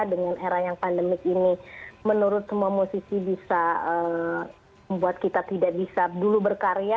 dengan era yang pandemik ini menurut semua musisi bisa membuat kita tidak bisa dulu berkarya